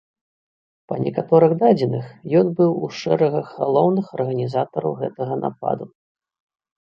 Па некаторых дадзеных, ён быў у шэрагах галоўных арганізатараў гэтага нападу.